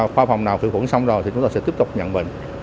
khoa phòng nào tự khuẩn xong rồi thì chúng tôi sẽ tiếp tục nhận bệnh